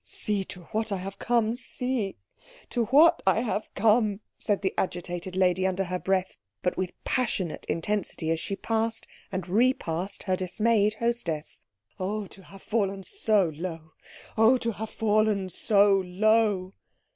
"See to what I have come see to what I have come!" said the agitated lady under her breath but with passionate intensity, as she passed and repassed her dismayed hostess; "oh, to have fallen so low! oh, to have fallen so low!"